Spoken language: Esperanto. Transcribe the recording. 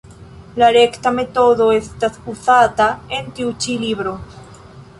La rekta metodo estas uzata en tiu ĉi libro.